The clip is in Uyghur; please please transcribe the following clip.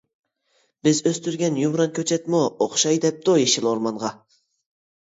بىز ئۆستۈرگەن يۇمران كۆچەتمۇ، ئوخشاي دەپتۇ يېشىل ئورمانغا.